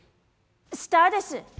スターです。